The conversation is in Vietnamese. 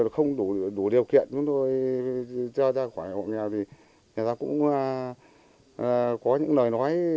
không đủ điều kiện chúng tôi cho ra khỏi hộ nghèo thì người ta cũng có những lời nói